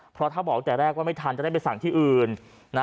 เพราะถ้าบอกตั้งแต่แรกว่าไม่ทันจะได้ไปสั่งที่อื่นนะ